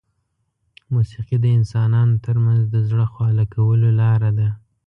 موسیقي د انسانانو ترمنځ د زړه خواله کولو لاره ده.